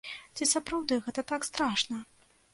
Ці сапраўды гэта так страшна?